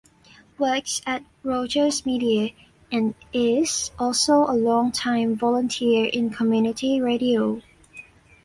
Works at Rogers Media, and is also a longtime volunteer in community radio.